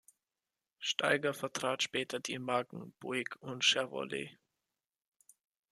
Staiger vertrat später die Marken Buick und Chevrolet.